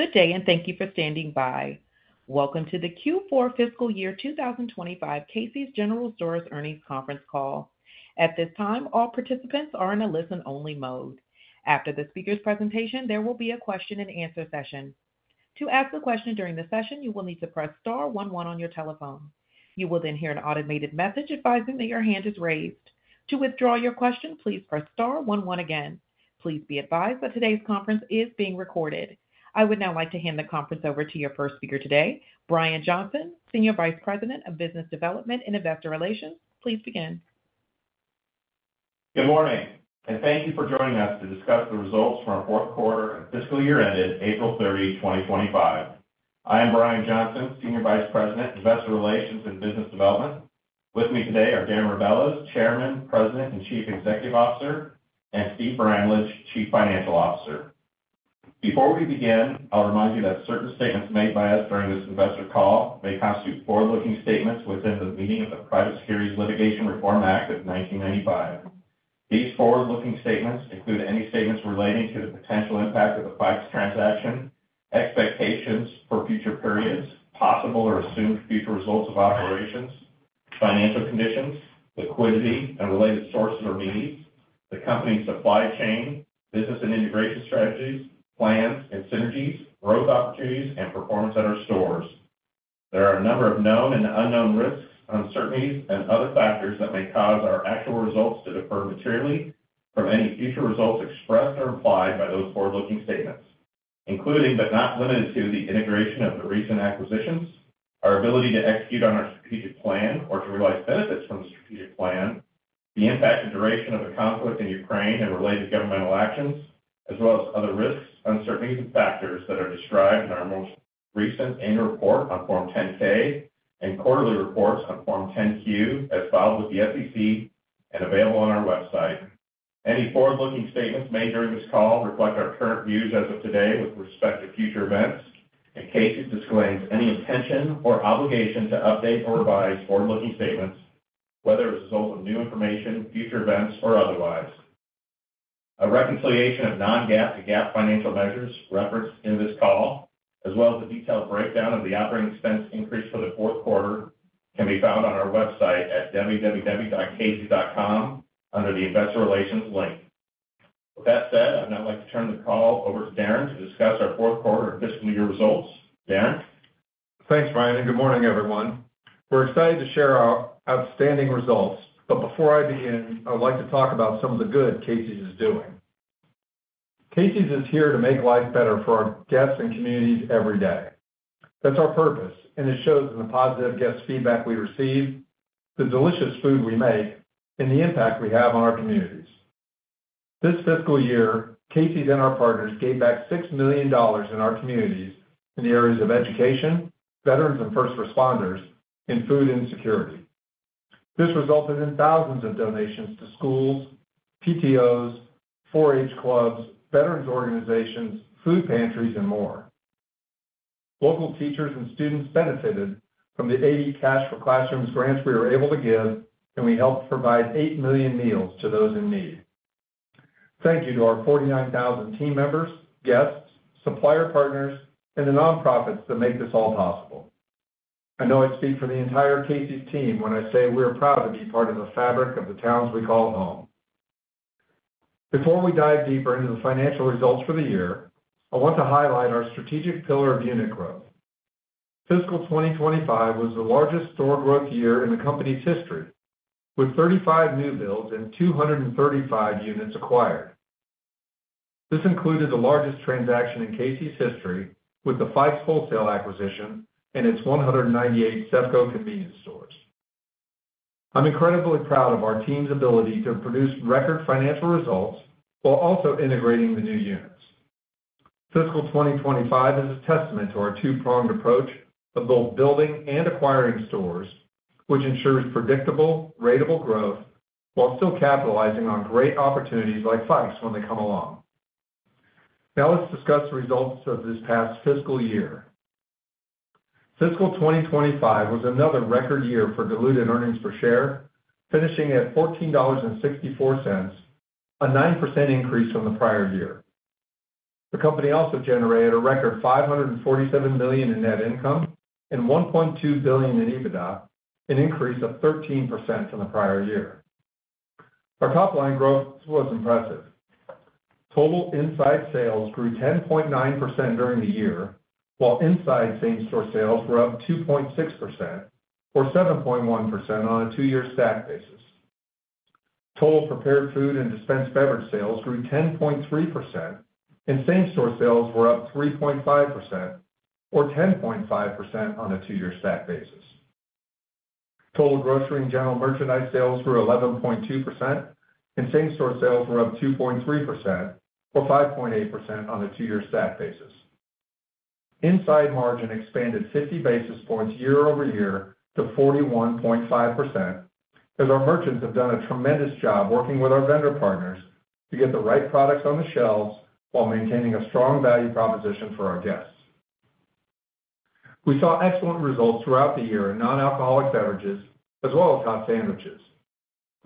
Good day, and thank you for standing by. Welcome to the Q4 fiscal year 2025 Casey's General Stores earnings conference call. At this time, all participants are in a listen-only mode. After the speaker's presentation, there will be a Q&A session. To ask a question during the session, you will need to press star one one on your telephone. You will then hear an automated message advising that your hand is raised. To withdraw your question, please press star one one again. Please be advised that today's conference is being recorded. I would now like to hand the conference over to your first speaker today, Brian Johnson, Senior Vice President of Business Development and Investor Relations. Please begin. Good morning, and thank you for joining us to discuss the results for our fourth quarter and fiscal year ended April 30, 2025. I am Brian Johnson, Senior Vice President, Investor Relations and Business Development. With me today are Darren Rebelez, Chairman, President, and Chief Executive Officer, and Steve Bramlage, Chief Financial Officer. Before we begin, I'll remind you that certain statements made by us during this investor call may constitute forward-looking statements within the meaning of the Private Securities Litigation Reform Act of 1995. These forward-looking statements include any statements relating to the potential impact of the Fikes transaction, expectations for future periods, possible or assumed future results of operations, financial conditions, liquidity, and related sources or needs, the company's supply chain, business and integration strategies, plans and synergies, growth opportunities, and performance at our stores. There are a number of known and unknown risks, uncertainties, and other factors that may cause our actual results to differ materially from any future results expressed or implied by those forward-looking statements, including, but not limited to, the integration of the recent acquisitions, our ability to execute on our strategic plan or to realize benefits from the strategic plan, the impact and duration of the conflict in Ukraine and related governmental actions, as well as other risks, uncertainties, and factors that are described in our most recent annual report on Form 10-K and quarterly reports on Form 10-Q as filed with the SEC and available on our website. Any forward-looking statements made during this call reflect our current views as of today with respect to future events, and Casey's disclaims any intention or obligation to update or revise forward-looking statements, whether as a result of new information, future events, or otherwise. A reconciliation of non-GAAP to GAAP financial measures referenced in this call, as well as a detailed breakdown of the operating expense increase for the fourth quarter, can be found on our website at www.caseys.com under the Investor Relations link. With that said, I'd now like to turn the call over to Darren to discuss our fourth quarter and fiscal year results. Darren? Thanks, Brian, and good morning, everyone. We're excited to share our outstanding results, but before I begin, I would like to talk about some of the good Casey's is doing. Casey's is here to make life better for our guests and communities every day. That's our purpose, and it shows in the positive guest feedback we receive, the delicious food we make, and the impact we have on our communities. This fiscal year, Casey's and our partners gave back $6 million in our communities in the areas of education, veterans and first responders, and food insecurity. This resulted in thousands of donations to schools, PTOs, 4-H clubs, veterans organizations, food pantries, and more. Local teachers and students benefited from the 80 Cash for Classrooms grants we were able to give, and we helped provide 8 million meals to those in need. Thank you to our 49,000 team members, guests, supplier partners, and the nonprofits that make this all possible. I know I speak for the entire Casey's team when I say we are proud to be part of the fabric of the towns we call home. Before we dive deeper into the financial results for the year, I want to highlight our strategic pillar of unit growth. Fiscal 2025 was the largest store growth year in the company's history, with 35 new builds and 235 units acquired. This included the largest transaction in Casey's history with the Fikes Wholesale acquisition and its 198 CEFCO convenience stores. I'm incredibly proud of our team's ability to produce record financial results while also integrating the new units. Fiscal 2025 is a testament to our two-pronged approach of both building and acquiring stores, which ensures predictable, ratable growth while still capitalizing on great opportunities like Fikes when they come along. Now let's discuss the results of this past fiscal year. Fiscal 2025 was another record year for diluted earnings per share, finishing at $14.64, a 9% increase from the prior year. The company also generated a record $547 million in net income and $1.2 billion in EBITDA, an increase of 13% from the prior year. Our top-line growth was impressive. Total inside sales grew 10.9% during the year, while inside same-store sales were up 2.6%, or 7.1% on a two-year stack basis. Total prepared food and dispensed beverage sales grew 10.3%, and same-store sales were up 3.5%, or 10.5% on a two-year stack basis. Total grocery and general merchandise sales grew 11.2%, and same-store sales were up 2.3%, or 5.8% on a two-year stack basis. Inside margin expanded 50 basis points year over year to 41.5%, as our merchants have done a tremendous job working with our vendor partners to get the right products on the shelves while maintaining a strong value proposition for our guests. We saw excellent results throughout the year in non-alcoholic beverages, as well as Hot Sandwiches.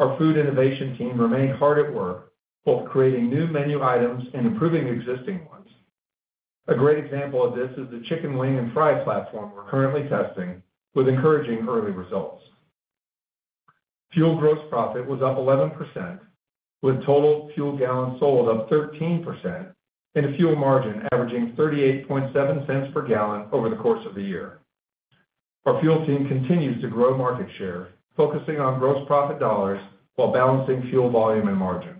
Our food innovation team remained hard at work, both creating new menu items and improving existing ones. A great example of this is the Chicken Wings and Fries platform we're currently testing, with encouraging early results. Fuel gross profit was up 11%, with total fuel gallons sold up 13%, and a fuel margin averaging $0.387 per gallon over the course of the year. Our fuel team continues to grow market share, focusing on gross profit dollars while balancing fuel volume and margin.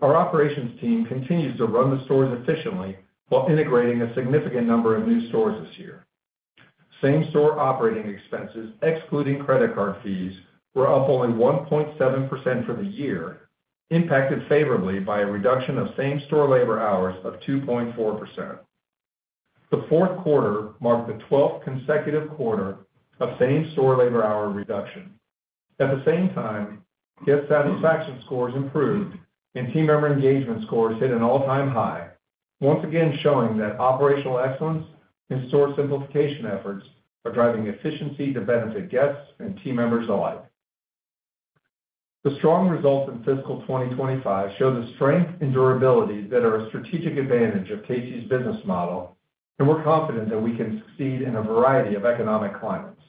Our operations team continues to run the stores efficiently while integrating a significant number of new stores this year. Same-store operating expenses, excluding credit card fees, were up only 1.7% for the year, impacted favorably by a reduction of same-store labor hours of 2.4%. The fourth quarter marked the 12th consecutive quarter of same-store labor hour reduction. At the same time, guest satisfaction scores improved, and team member engagement scores hit an all-time high, once again showing that operational excellence and store simplification efforts are driving efficiency to benefit guests and team members alike. The strong results in fiscal 2025 show the strength and durability that are a strategic advantage of Casey's business model, and we're confident that we can succeed in a variety of economic climates.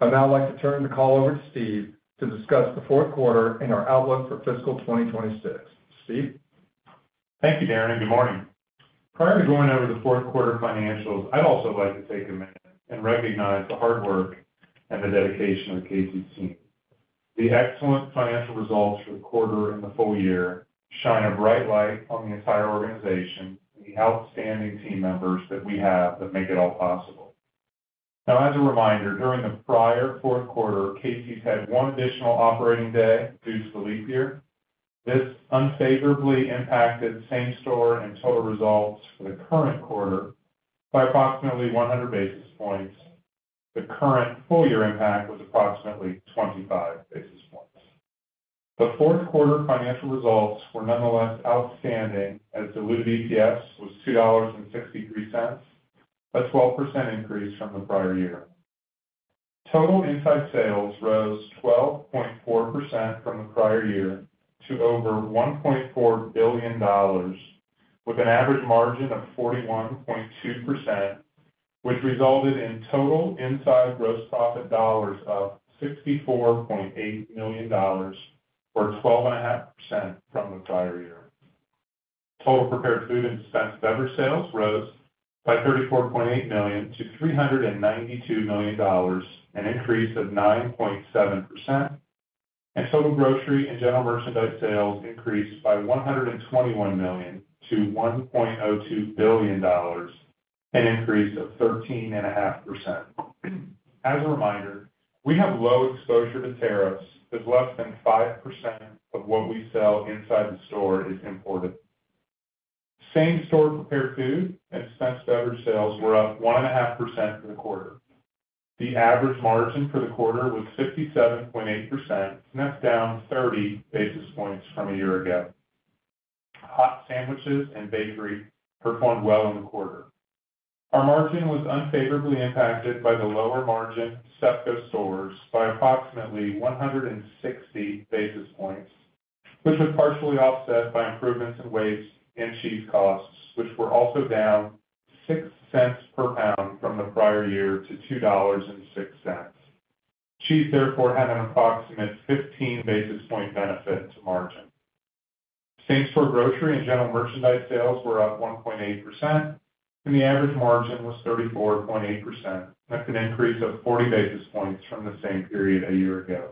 I'd now like to turn the call over to Steve to discuss the fourth quarter and our outlook for fiscal 2026. Steve? Thank you, Darren, and good morning. Prior to going over the fourth quarter financials, I'd also like to take a minute and recognize the hard work and the dedication of the Casey's team. The excellent financial results for the quarter and the full year shine a bright light on the entire organization and the outstanding team members that we have that make it all possible. Now, as a reminder, during the prior fourth quarter, Casey's had one additional operating day due to the leap year. This unfavorably impacted same-store and total results for the current quarter by approximately 100 basis points. The current full-year impact was approximately 25 basis points. The fourth quarter financial results were nonetheless outstanding, as diluted EPS was $2.63, a 12% increase from the prior year. Total inside sales rose 12.4% from the prior year to over $1.4 billion, with an average margin of 41.2%, which resulted in total inside gross profit dollars of $64.8 million, or 12.5% from the prior year. Total prepared food and dispensed beverage sales rose by $34.8 million to $392 million, an increase of 9.7%, and total grocery and general merchandise sales increased by $121 million to $1.02 billion, an increase of 13.5%. As a reminder, we have low exposure to tariffs, as less than 5% of what we sell inside the store is imported. Same-store prepared food and dispensed beverage sales were up 1.5% for the quarter. The average margin for the quarter was 57.8%, and that's down 30 basis points from a year ago. Hot Sandwiches and bakery performed well in the quarter. Our margin was unfavorably impacted by the lower margin of CEFCO stores by approximately 160 basis points, which was partially offset by improvements in whey and cheese costs, which were also down $0.06 per pound from the prior year to $2.06. Cheese, therefore, had an approximate 15 basis point benefit to margin. Same-store grocery and general merchandise sales were up 1.8%, and the average margin was 34.8%, an increase of 40 basis points from the same period a year ago.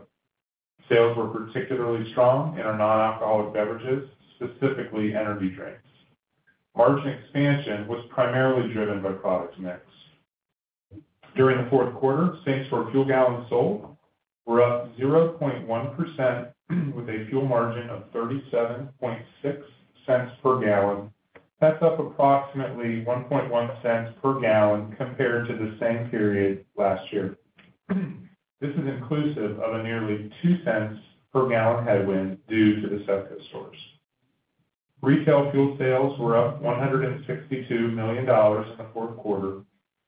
Sales were particularly strong in our non-alcoholic beverages, specifically energy drinks. Margin expansion was primarily driven by product mix. During the fourth quarter, same-store fuel gallons sold were up 0.1%, with a fuel margin of $0.376 per gallon. That's up approximately $0.011 per gallon compared to the same period last year. This is inclusive of a nearly $0.02 per gallon headwind due to the CEFCO stores. Retail fuel sales were up $162 million in the fourth quarter,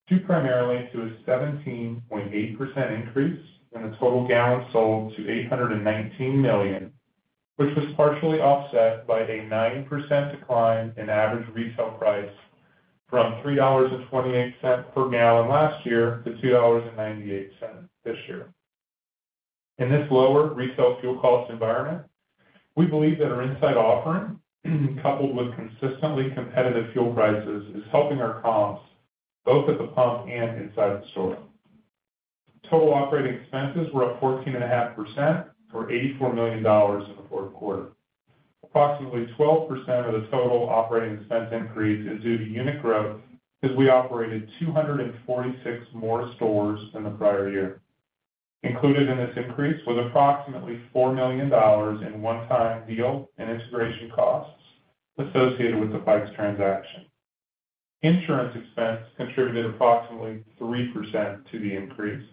due primarily to a 17.8% increase in the total gallons sold to $819 million, which was partially offset by a 9% decline in average retail price from $3.28 per gallon last year to $2.98 this year. In this lower retail fuel cost environment, we believe that our inside offering, coupled with consistently competitive fuel prices, is helping our comps, both at the pump and inside the store. Total operating expenses were up 14.5%, or $84 million in the fourth quarter. Approximately 12% of the total operating expense increase is due to unit growth as we operated 246 more stores than the prior year. Included in this increase was approximately $4 million in one-time deal and integration costs associated with the Fikes transaction. Insurance expense contributed approximately 3% to the increase.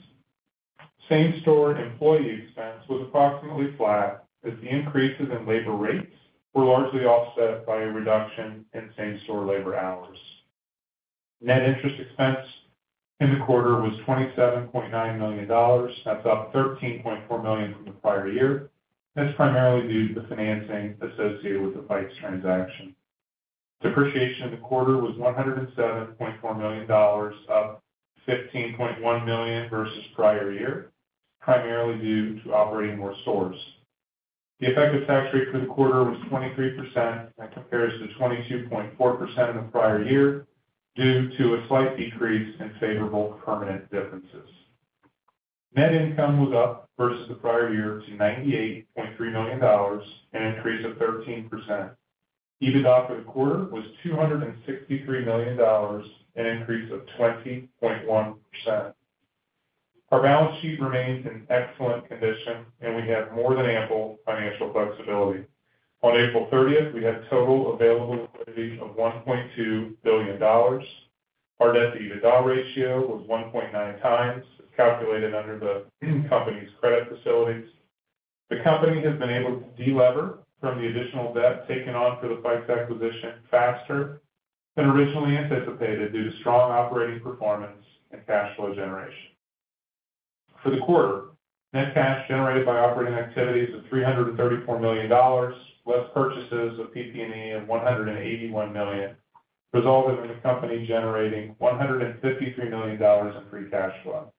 Same-store employee expense was approximately flat, as the increases in labor rates were largely offset by a reduction in same-store labor hours. Net interest expense in the quarter was $27.9 million. That's up $13.4 million from the prior year. That's primarily due to the financing associated with the Fikes transaction. Depreciation in the quarter was $107.4 million, up $15.1 million versus prior year, primarily due to operating more stores. The effective tax rate for the quarter was 23%, and it compares to 22.4% in the prior year, due to a slight decrease in favorable permanent differences. Net income was up versus the prior year to $98.3 million, an increase of 13%. EBITDA for the quarter was $263 million, an increase of 20.1%. Our balance sheet remains in excellent condition, and we have more than ample financial flexibility. On April 30th, we had total available liquidity of $1.2 billion. Our debt-to-EBITDA ratio was 1.9x, calculated under the company's credit facilities. The company has been able to delever from the additional debt taken on for the Fikes acquisition faster than originally anticipated due to strong operating performance and cash flow generation. For the quarter, net cash generated by operating activities of $334 million, less purchases of PP&E of $181 million, resulted in the company generating $153 million in free cash flow.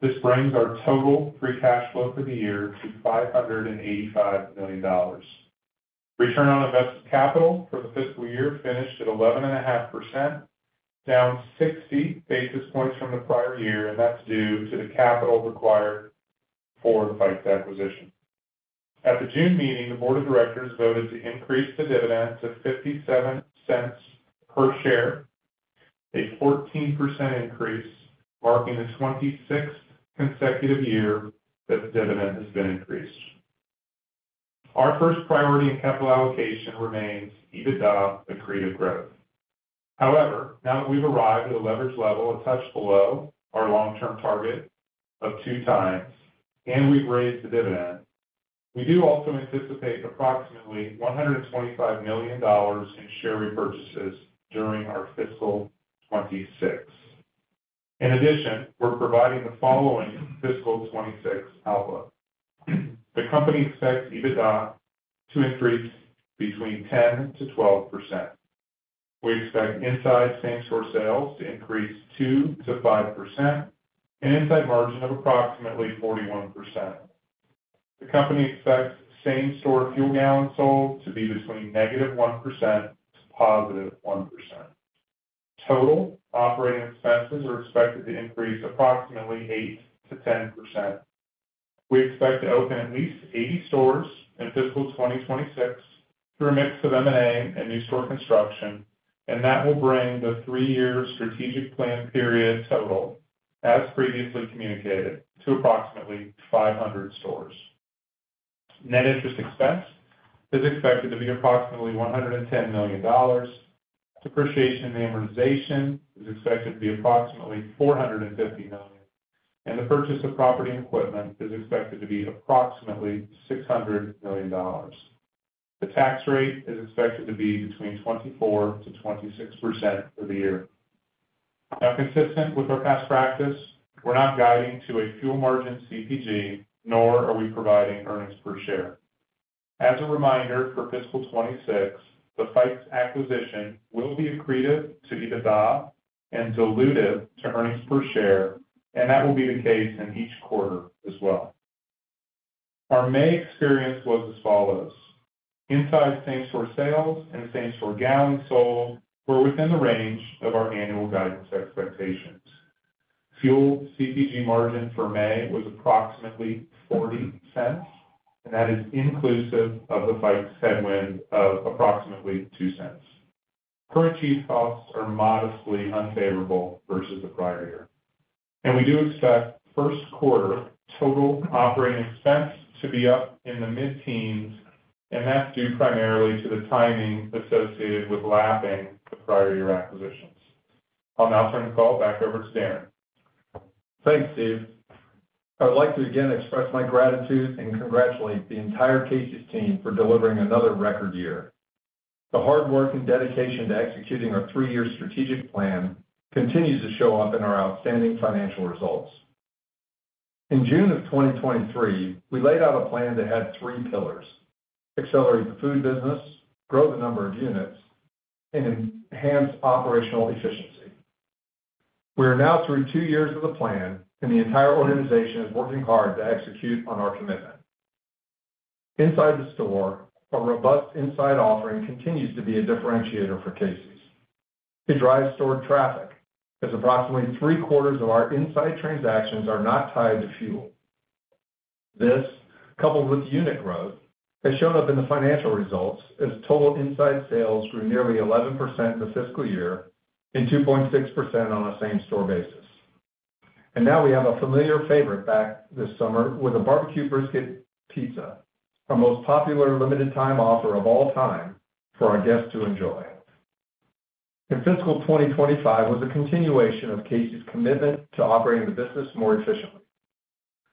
This brings our total free cash flow for the year to $585 million. Return on invested capital for the fiscal year finished at 11.5%, down 60 basis points from the prior year, and that's due to the capital required for the Fikes acquisition. At the June meeting, the board of directors voted to increase the dividend to $0.57 per share, a 14% increase, marking the 26th consecutive year that the dividend has been increased. Our first priority in capital allocation remains EBITDA accretive growth. However, now that we've arrived at a leverage level a touch below our long-term target of 2x, and we've raised the dividend, we do also anticipate approximately $125 million in share repurchases during our fiscal 2026. In addition, we're providing the following fiscal 2026 outlook. The company expects EBITDA to increase between 10%-12%. We expect inside same-store sales to increase 2%-5%, an inside margin of approximately 41%. The company expects same-store fuel gallons sold to be between -1% to +1%. Total operating expenses are expected to increase approximately 8%-10%. We expect to open at least 80 stores in fiscal 2026 through a mix of M&A and new-store construction, and that will bring the three-year strategic plan period total, as previously communicated, to approximately 500 stores. Net interest expense is expected to be approximately $110 million. Depreciation and amortization is expected to be approximately $450 million, and the purchase of property and equipment is expected to be approximately $600 million. The tax rate is expected to be between 24%-26% for the year. Now, consistent with our past practice, we're not guiding to a fuel margin CPG, nor are we providing earnings per share. As a reminder, for fiscal 2026, the Fikes acquisition will be accretive to EBITDA and diluted to earnings per share, and that will be the case in each quarter as well. Our May experience was as follows. Inside same-store sales and same-store gallons sold were within the range of our annual guidance expectations. Fuel CPG margin for May was approximately $0.40, and that is inclusive of the Fikes headwind of approximately $0.02. Current cheese costs are modestly unfavorable versus the prior year. We do expect first quarter total operating expense to be up in the mid-teens, and that's due primarily to the timing associated with lapping the prior year acquisitions. I'll now turn the call back over to Darren. Thanks, Steve. I would like to again express my gratitude and congratulate the entire Casey's team for delivering another record year. The hard work and dedication to executing our three-year strategic plan continues to show up in our outstanding financial results. In June of 2023, we laid out a plan that had three pillars: accelerate the food business, grow the number of units, and enhance operational efficiency. We are now through two years of the plan, and the entire organization is working hard to execute on our commitment. Inside the store, a robust inside offering continues to be a differentiator for Casey's. It drives store traffic, as approximately 3/4 of our inside transactions are not tied to fuel. This, coupled with unit growth, has shown up in the financial results as total inside sales grew nearly 11% in the fiscal year and 2.6% on a same-store basis. We have a familiar favorite back this summer with a Barbecue Brisket Pizza, our most popular limited-time offer of all time for our guests to enjoy. Fiscal 2025 was a continuation of Casey's commitment to operating the business more efficiently.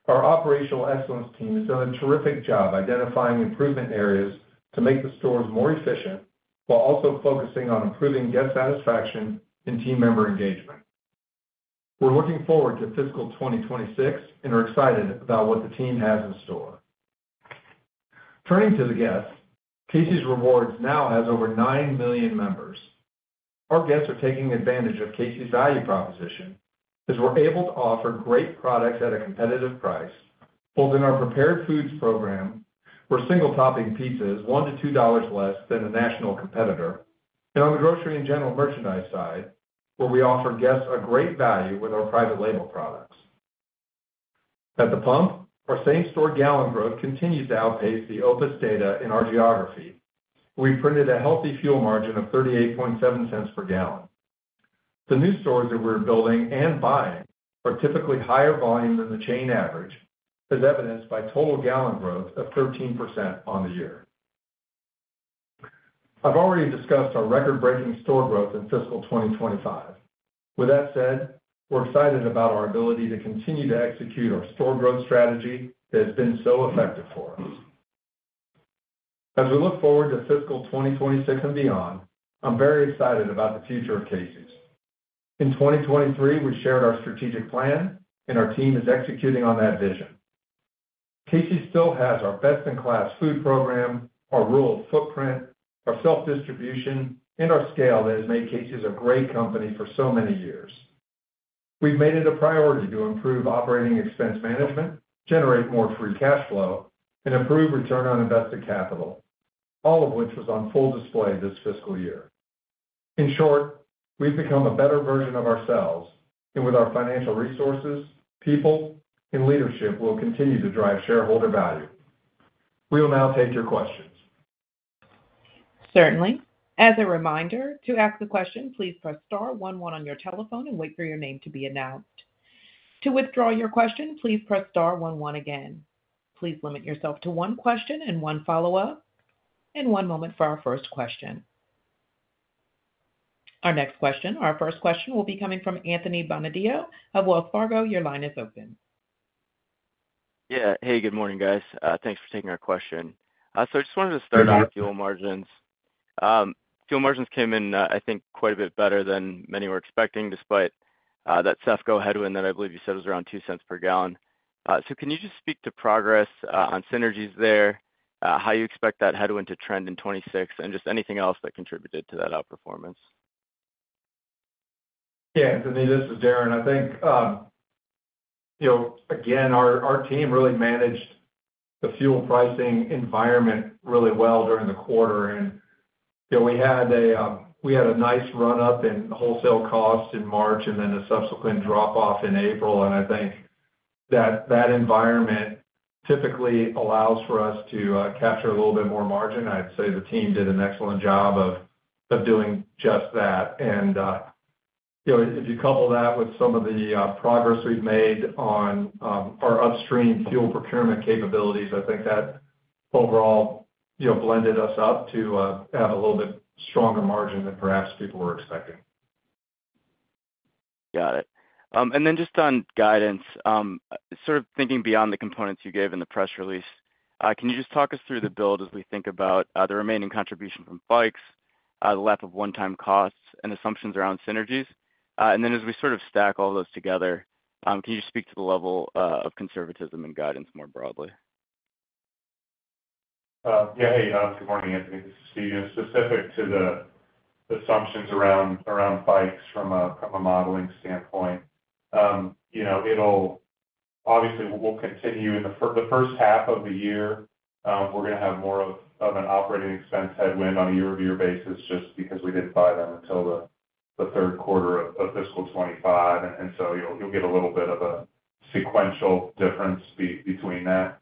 Our operational excellence team has done a terrific job identifying improvement areas to make the stores more efficient while also focusing on improving guest satisfaction and team member engagement. We are looking forward to fiscal 2026 and are excited about what the team has in store. Turning to the guests, Casey's Rewards now has over 9 million members. Our guests are taking advantage of Casey's value proposition as we're able to offer great products at a competitive price, both in our Prepared Foods program, where single-topping pizza is $1-$2 less than a national competitor, and on the grocery and general merchandise side, where we offer guests a great value with our private label products. At the pump, our same-store gallon growth continues to outpace the OPIS data in our geography. We've printed a healthy fuel margin of $0.387 per gallon. The new stores that we're building and buying are typically higher volume than the chain average, as evidenced by total gallon growth of 13% on the year. I've already discussed our record-breaking store growth in fiscal 2025. With that said, we're excited about our ability to continue to execute our store growth strategy that has been so effective for us. As we look forward to fiscal 2026 and beyond, I'm very excited about the future of Casey's. In 2023, we shared our strategic plan, and our team is executing on that vision. Casey's still has our best-in-class food program, our rural footprint, our self-distribution, and our scale that has made Casey's a great company for so many years. We've made it a priority to improve operating expense management, generate more free cash flow, and improve return on invested capital, all of which was on full display this fiscal year. In short, we've become a better version of ourselves, and with our financial resources, people, and leadership, we'll continue to drive shareholder value. We will now take your questions. Certainly. As a reminder, to ask a question, please press star one one on your telephone and wait for your name to be announced. To withdraw your question, please press star one one again. Please limit yourself to one question and one follow-up, and one moment for our first question. Our next question, our first question, will be coming from Anthony Bonadio of Wells Fargo. Your line is open. Yeah. Hey, good morning, guys. Thanks for taking our question. I just wanted to start off. Fuel margins. Fuel margins came in, I think, quite a bit better than many were expecting, despite that CEFCO headwind that I believe you said was around $0.02 per gallon. Can you just speak to progress on synergies there, how you expect that headwind to trend in 2026, and just anything else that contributed to that outperformance? Yeah, Anthony, this is Darren. I think, again, our team really managed the fuel pricing environment really well during the quarter. We had a nice run-up in wholesale costs in March and then a subsequent drop-off in April. I think that environment typically allows for us to capture a little bit more margin. I'd say the team did an excellent job of doing just that. If you couple that with some of the progress we've made on our upstream fuel procurement capabilities, I think that overall blended us up to have a little bit stronger margin than perhaps people were expecting. Got it. And then just on guidance, sort of thinking beyond the components you gave in the press release, can you just talk us through the build as we think about the remaining contribution from Fikes, the lap of one-time costs, and assumptions around synergies? And then as we sort of stack all those together, can you just speak to the level of conservatism in guidance more broadly? Yeah. Hey, good morning, Anthony. This is Steve. Specific to the assumptions around Fikes from a modeling standpoint, obviously, we'll continue in the first half of the year. We're going to have more of an operating expense headwind on a year-over-year basis just because we didn't buy them until the third quarter of fiscal 2025. You will get a little bit of a sequential difference between that.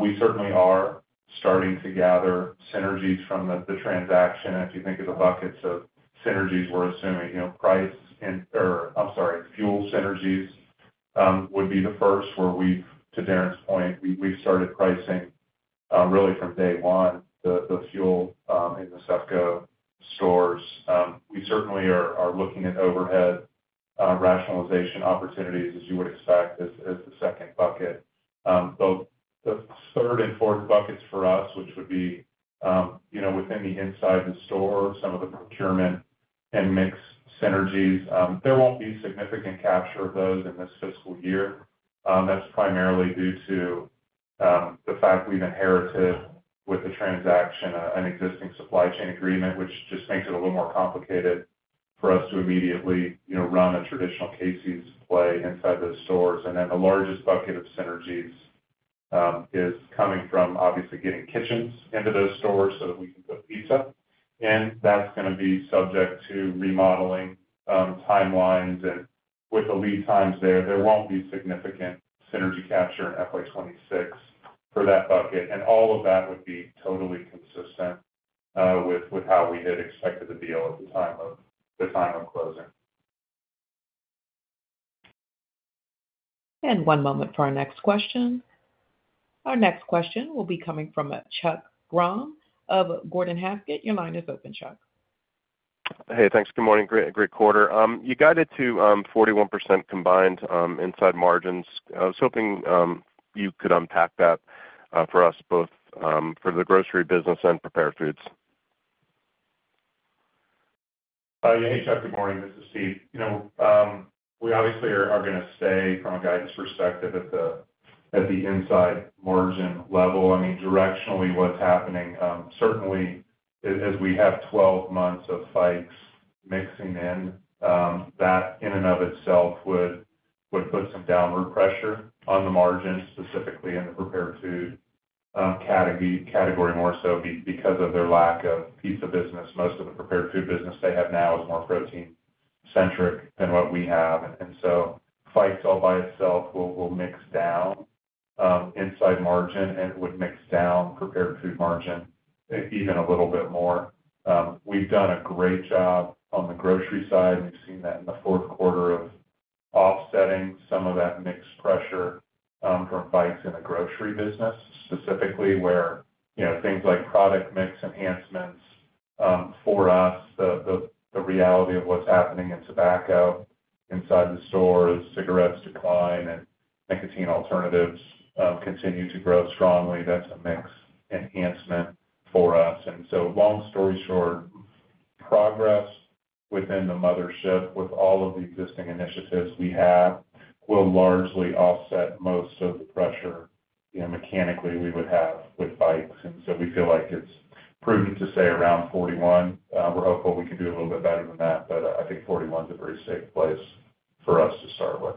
We certainly are starting to gather synergies from the transaction. If you think of the buckets of synergies, we're assuming price and, or I'm sorry, fuel synergies would be the first, where we've, to Darren's point, we've started pricing really from day one, the fuel in the CEFCO stores. We certainly are looking at overhead rationalization opportunities, as you would expect, as the second bucket. Both the third and fourth buckets for us, which would be within the inside of the store, some of the procurement and mix synergies, there will not be significant capture of those in this fiscal year. That is primarily due to the fact we have inherited with the transaction an existing supply chain agreement, which just makes it a little more complicated for us to immediately run a traditional Casey's play inside those stores. The largest bucket of synergies is coming from, obviously, getting kitchens into those stores so that we can put pizza. That is going to be subject to remodeling timelines. With the lead times there, there will not be significant synergy capture in FY 2026 for that bucket. All of that would be totally consistent with how we had expected the deal at the time of closing. One moment for our next question. Our next question will be coming from Chuck Grom of Gordon Haskett. Your line is open, Chuck. Hey, thanks. Good morning. Great quarter. You guided to 41% combined inside margins. I was hoping you could unpack that for us, both for the grocery business and prepared foods. Hey, Chuck. Good morning. This is Steve. We obviously are going to stay, from a guidance perspective, at the inside margin level. I mean, directionally, what's happening, certainly, as we have 12 months of Fikes mixing in, that in and of itself would put some downward pressure on the margins, specifically in the prepared food category more so because of their lack of pizza business. Most of the prepared food business they have now is more protein-centric than what we have. Fikes, all by itself, will mix down inside margin and would mix down prepared food margin even a little bit more. We've done a great job on the grocery side. We've seen that in the fourth quarter of offsetting some of that mix pressure from Fikes in the grocery business, specifically where things like product mix enhancements. For us, the reality of what's happening in tobacco inside the stores, cigarettes decline, and nicotine alternatives continue to grow strongly. That's a mix enhancement for us. Long story short, progress within the mothership with all of the existing initiatives we have will largely offset most of the pressure mechanically we would have with Fikes. We feel like it's prudent to say around 41. We're hopeful we can do a little bit better than that, but I think 41 is a pretty safe place for us to start with.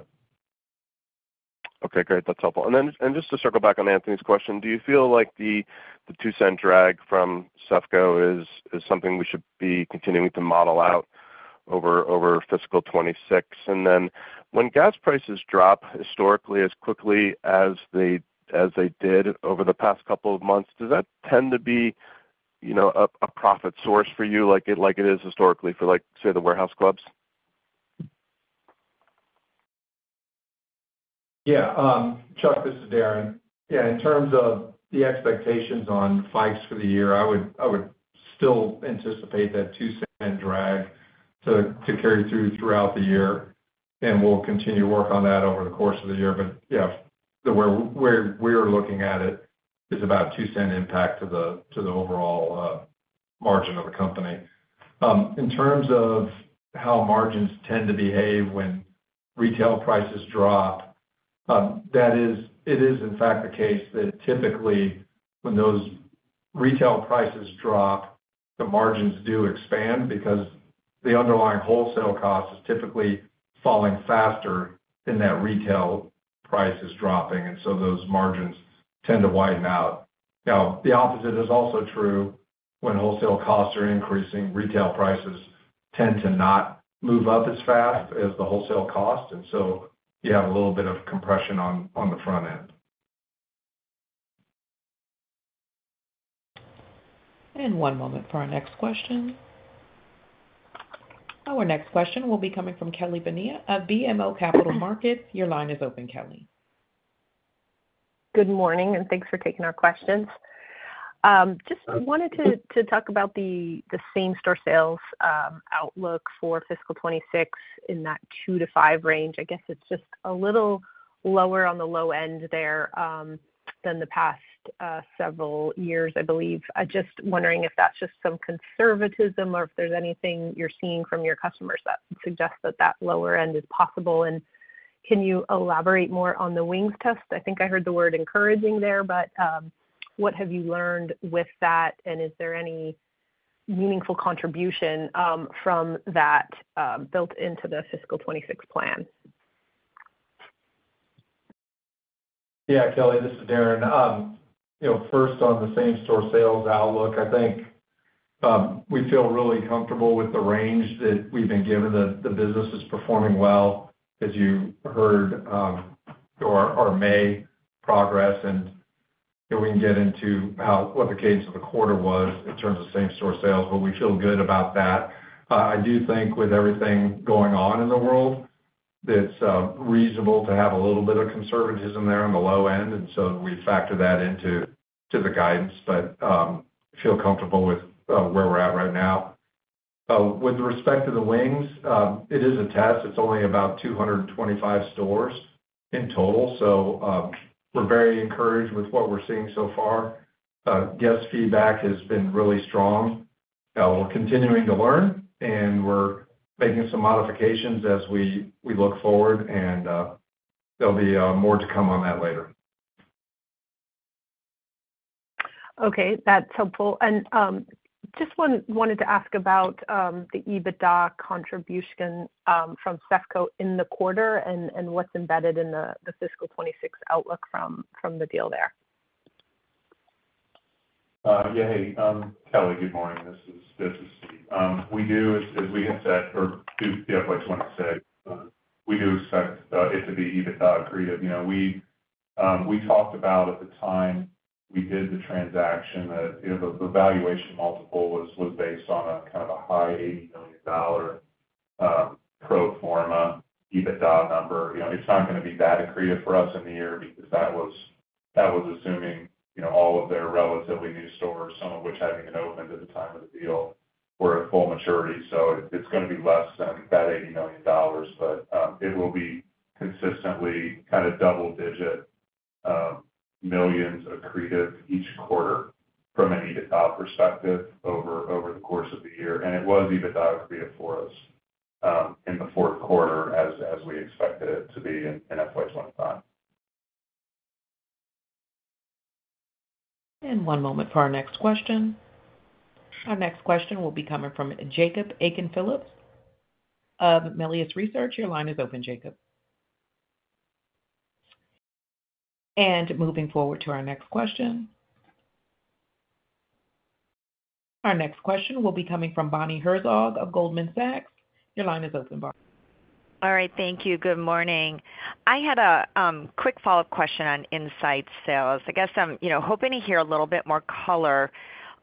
Okay. Great. That is helpful. Just to circle back on Anthony's question, do you feel like the $0.02 drag from CEFCO is something we should be continuing to model out over fiscal 2026? When gas prices drop historically as quickly as they did over the past couple of months, does that tend to be a profit source for you like it is historically for, say, the warehouse clubs? Yeah. Chuck, this is Darren. Yeah. In terms of the expectations on Fikes for the year, I would still anticipate that $0.02 drag to carry through throughout the year. We'll continue to work on that over the course of the year. Yeah, where we're looking at it is about $0.02 impact to the overall margin of the company. In terms of how margins tend to behave when retail prices drop, it is, in fact, the case that typically when those retail prices drop, the margins do expand because the underlying wholesale cost is typically falling faster than that retail price is dropping. Those margins tend to widen out. Now, the opposite is also true. When wholesale costs are increasing, retail prices tend to not move up as fast as the wholesale cost. You have a little bit of compression on the front end. One moment for our next question. Our next question will be coming from Kelly Bania of BMO Capital Markets. Your line is open, Kelly. Good morning, and thanks for taking our questions. Just wanted to talk about the same-store sales outlook for fiscal 2026 in that 2%-5% range. I guess it's just a little lower on the low end there than the past several years, I believe. Just wondering if that's just some conservatism or if there's anything you're seeing from your customers that suggests that that lower end is possible. Can you elaborate more on the wings test? I think I heard the word encouraging there, but what have you learned with that? Is there any meaningful contribution from that built into the fiscal 2026 plan? Yeah, Kelly, this is Darren. First, on the same-store sales outlook, I think we feel really comfortable with the range that we've been given. The business is performing well, as you heard, or may progress. We can get into what the cadence of the quarter was in terms of same-store sales, but we feel good about that. I do think with everything going on in the world, it's reasonable to have a little bit of conservatism there on the low end. We factor that into the guidance but feel comfortable with where we're at right now. With respect to the wings, it is a test. It's only about 225 stores in total. We're very encouraged with what we're seeing so far. Guest feedback has been really strong. We're continuing to learn, and we're making some modifications as we look forward. There'll be more to come on that later. Okay. That's helpful. I just wanted to ask about the EBITDA contribution from CEFCO in the quarter and what's embedded in the fiscal 2026 outlook from the deal there. Yeah. Hey, Kelly, good morning. This is Steve. We do, as we have said, we do expect it to be EBITDA accretive. We talked about at the time we did the transaction that the valuation multiple was based on a kind of a high $80 million pro forma EBITDA number. It's not going to be that accretive for us in the year because that was assuming all of their relatively new stores, some of which haven't even opened at the time of the deal, were at full maturity. It's going to be less than that $80 million, but it will be consistently kind of double-digit millions accretive each quarter from an EBITDA perspective over the course of the year. It was EBITDA accretive for us in the fourth quarter as we expected it to be in FY 2025. One moment for our next question. Our next question will be coming from Jacob Aken Phillips of Mellius Research. Your line is open, Jacob. Moving forward to our next question. Our next question will be coming from Bonnie Herzog of Goldman Sachs. Your line is open, Bonnie. All right. Thank you. Good morning. I had a quick follow-up question on inside sales. I guess I'm hoping to hear a little bit more color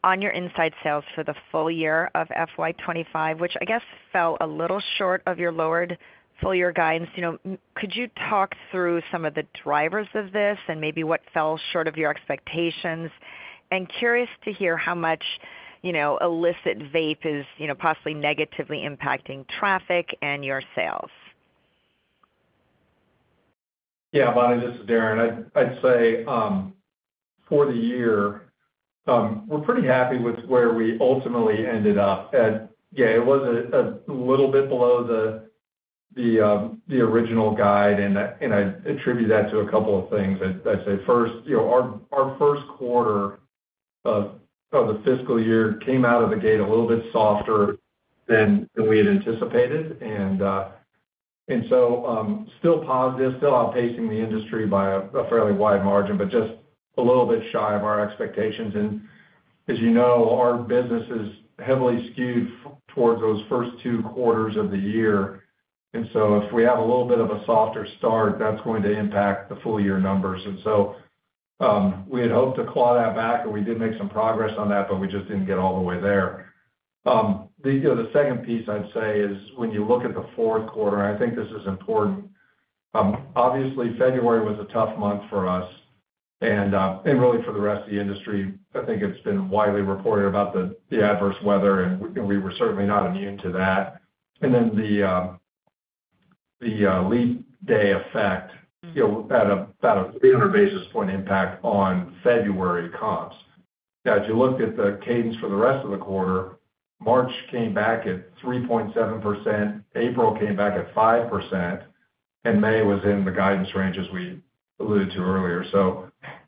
on your inside sales for the full year of FY 2025, which I guess fell a little short of your lowered full-year guidance. Could you talk through some of the drivers of this and maybe what fell short of your expectations? I am curious to hear how much illicit vape is possibly negatively impacting traffic and your sales. Yeah. Bonnie, this is Darren. I'd say for the year, we're pretty happy with where we ultimately ended up. Yeah, it was a little bit below the original guide. I attribute that to a couple of things. I'd say first, our first quarter of the fiscal year came out of the gate a little bit softer than we had anticipated. Still positive, still outpacing the industry by a fairly wide margin, but just a little bit shy of our expectations. As you know, our business is heavily skewed towards those first two quarters of the year. If we have a little bit of a softer start, that's going to impact the full-year numbers. We had hoped to claw that back, and we did make some progress on that, but we just didn't get all the way there. The second piece I'd say is when you look at the fourth quarter, and I think this is important, obviously, February was a tough month for us and really for the rest of the industry. I think it's been widely reported about the adverse weather, and we were certainly not immune to that. The leap day effect had about a 300 basis point impact on February comps. Now, if you looked at the cadence for the rest of the quarter, March came back at 3.7%, April came back at 5%, and May was in the guidance ranges we alluded to earlier.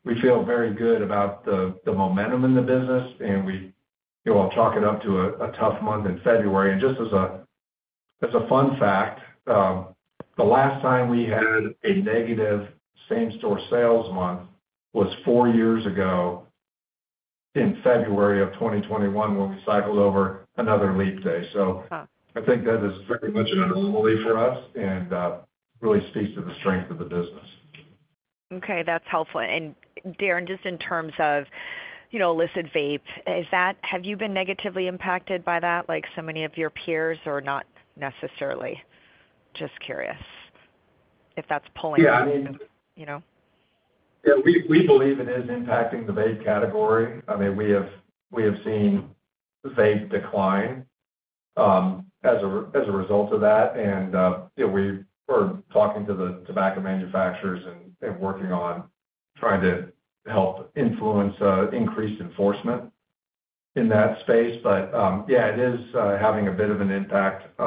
We feel very good about the momentum in the business, and we'll chalk it up to a tough month in February. Just as a fun fact, the last time we had a negative same-store sales month was four years ago in February of 2021 when we cycled over another leap day. I think that is very much an anomaly for us and really speaks to the strength of the business. Okay. That's helpful. Darren, just in terms of illicit vape, have you been negatively impacted by that, like so many of your peers or not necessarily? Just curious if that's pulling. Yeah. I mean. We believe it is impacting the vape category. I mean, we have seen vape decline as a result of that. We are talking to the tobacco manufacturers and working on trying to help influence increased enforcement in that space. Yeah, it is having a bit of an impact.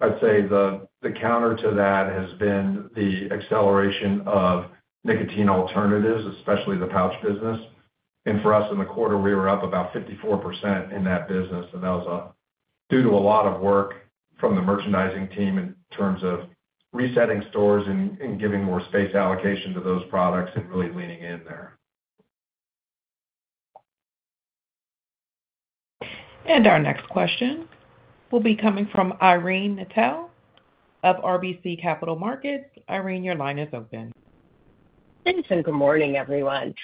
I'd say the counter to that has been the acceleration of nicotine alternatives, especially the pouch business. For us in the quarter, we were up about 54% in that business. That was due to a lot of work from the merchandising team in terms of resetting stores and giving more space allocation to those products and really leaning in there. Our next question will be coming from Irene Nattel of RBC Capital Markets. Irene, your line is open. Thank you. Good morning, everyone.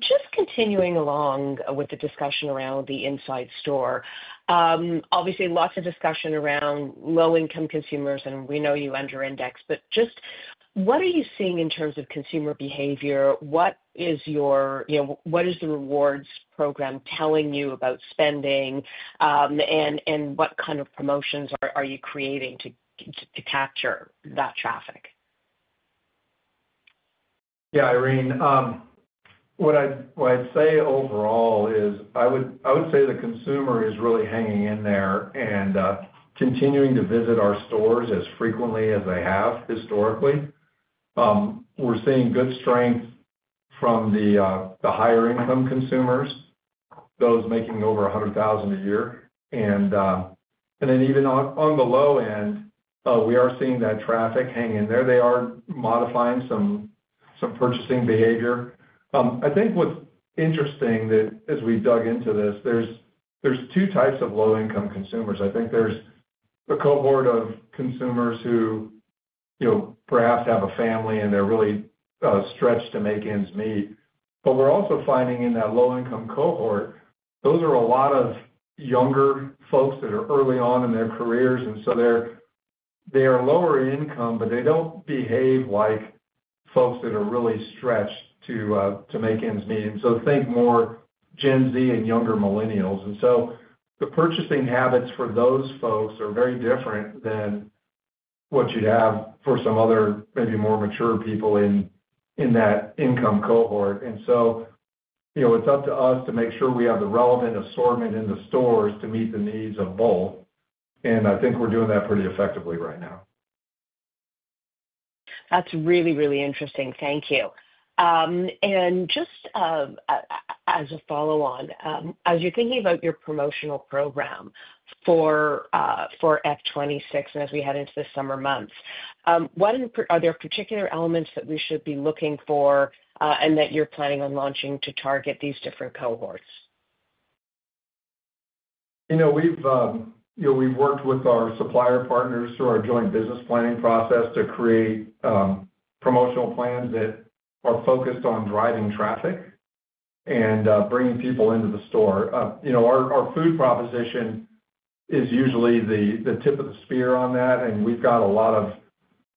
Just continuing along with the discussion around the inside store, obviously, lots of discussion around low-income consumers, and we know you under-index, but just what are you seeing in terms of consumer behavior? What is your—what is the rewards program telling you about spending, and what kind of promotions are you creating to capture that traffic? Yeah, Irene, what I'd say overall is I would say the consumer is really hanging in there and continuing to visit our stores as frequently as they have historically. We're seeing good strength from the higher-income consumers, those making over $100,000 a year. And then even on the low end, we are seeing that traffic hang in there. They are modifying some purchasing behavior. I think what's interesting is that as we dug into this, there's two types of low-income consumers. I think there's a cohort of consumers who perhaps have a family, and they're really stretched to make ends meet. But we're also finding in that low-income cohort, those are a lot of younger folks that are early on in their careers. And so they are lower income, but they don't behave like folks that are really stretched to make ends meet. Think more Gen Z and younger millennials. The purchasing habits for those folks are very different than what you'd have for some other maybe more mature people in that income cohort. It is up to us to make sure we have the relevant assortment in the stores to meet the needs of both. I think we're doing that pretty effectively right now. That's really, really interesting. Thank you. Just as a follow-on, as you're thinking about your promotional program for F 2026 and as we head into the summer months, are there particular elements that we should be looking for and that you're planning on launching to target these different cohorts? We've worked with our supplier partners through our joint business planning process to create promotional plans that are focused on driving traffic and bringing people into the store. Our food proposition is usually the tip of the spear on that. We've got a lot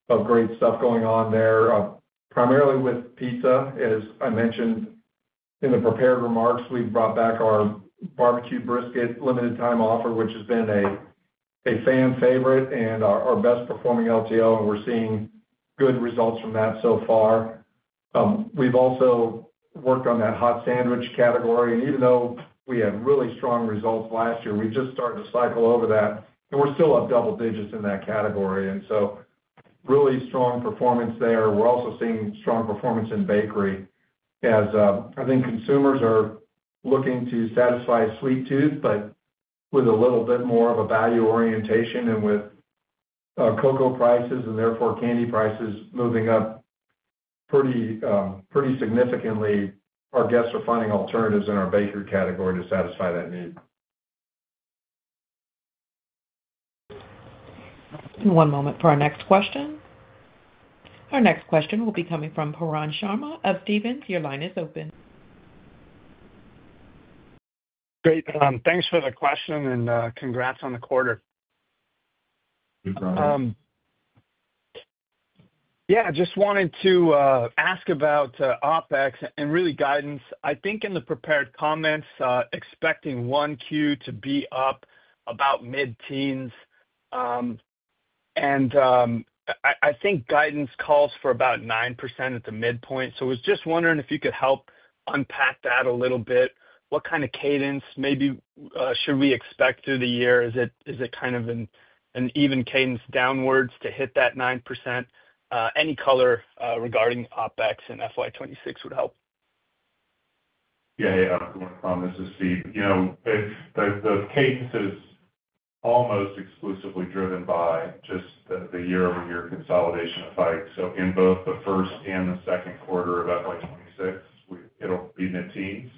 of great stuff going on there, primarily with pizza. As I mentioned in the prepared remarks, we've brought back our barbecue brisket limited-time offer, which has been a fan favorite and our best-performing LTO, and we're seeing good results from that so far. We've also worked on that Hot Sandwich category. Even though we had really strong results last year, we just started to cycle over that, and we're still up double digits in that category. Really strong performance there. We're also seeing strong performance in bakery as I think consumers are looking to satisfy sweet tooth, but with a little bit more of a value orientation, and with cocoa prices and therefore candy prices moving up pretty significantly, our guests are finding alternatives in our bakery category to satisfy that need. One moment for our next question. Our next question will be coming from Pooran Sharma of Stephens. Your line is open. Great. Thanks for the question and congrats on the quarter. Yeah. Just wanted to ask about OpEx and really guidance. I think in the prepared comments, expecting 1Q to be up about mid-teens. And I think guidance calls for about 9% at the midpoint. I was just wondering if you could help unpack that a little bit. What kind of cadence maybe should we expect through the year? Is it kind of an even cadence downwards to hit that 9%? Any color regarding OpEx in FY 2026 would help. Yeah. Yeah. This is Steve. The cadence is almost exclusively driven by just the year-over-year consolidation of Fikes. In both the first and the second quarter of FY 2026, it will be mid-teens.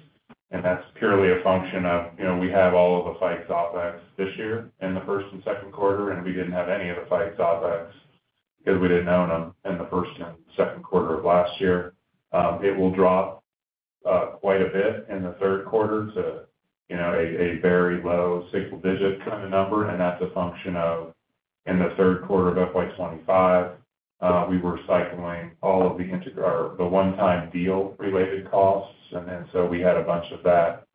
That is purely a function of we have all of the Fikes OpEx this year in the first and second quarter, and we did not have any of the Fikes OpEx because we did not own them in the first and second quarter of last year. It will drop quite a bit in the third quarter to a very low single-digit kind of number. That is a function of in the third quarter of FY 2025, we were cycling all of the one-time deal-related costs. We had a bunch of that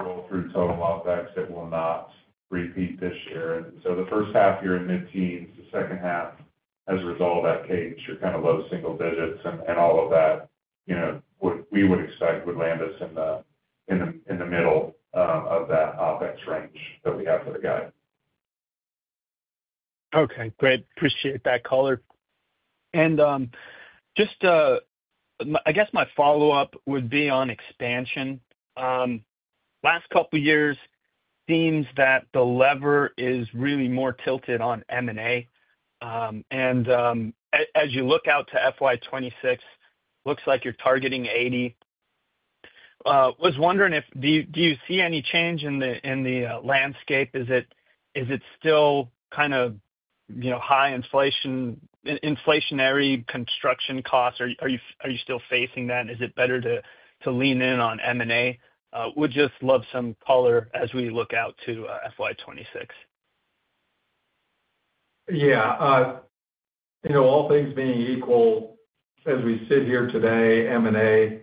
roll through total OpEx that will not repeat this year. The first half year in mid-teens, the second half, as a result of that cadence, you're kind of low single digits. All of that, we would expect would land us in the middle of that OpEx range that we have for the guide. Okay. Great. Appreciate that color. I guess my follow-up would be on expansion. Last couple of years, it seems that the lever is really more tilted on M&A. As you look out to FY 2026, looks like you're targeting 80. Was wondering if you see any change in the landscape? Is it still kind of high inflationary construction costs? Are you still facing that? Is it better to lean in on M&A? Would just love some color as we look out to FY 2026. Yeah. All things being equal, as we sit here today, M&A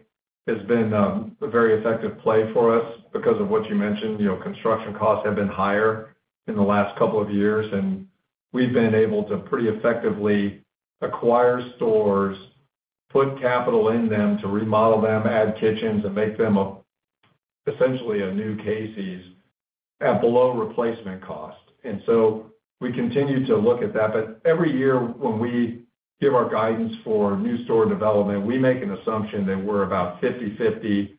has been a very effective play for us because of what you mentioned. Construction costs have been higher in the last couple of years, and we've been able to pretty effectively acquire stores, put capital in them to remodel them, add kitchens, and make them essentially a new Casey's at below replacement cost. We continue to look at that. Every year when we give our guidance for new store development, we make an assumption that we're about 50/50